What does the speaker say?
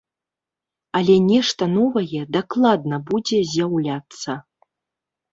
Але нешта новае дакладна будзе з'яўляцца.